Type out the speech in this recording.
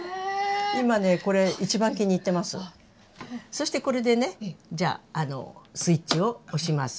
そしてこれでねじゃあスイッチを押します。